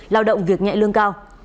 lao động việc nhẹ lương cao